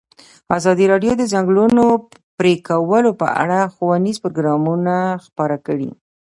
ازادي راډیو د د ځنګلونو پرېکول په اړه ښوونیز پروګرامونه خپاره کړي.